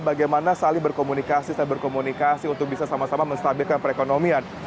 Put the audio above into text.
bagaimana saling berkomunikasi saling berkomunikasi untuk bisa sama sama menstabilkan perekonomian